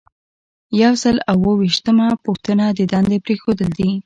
یو سل او اووه ویشتمه پوښتنه د دندې پریښودل دي.